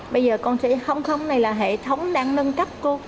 bây giờ con sẽ không không này là hệ thống đang nâng cấp cô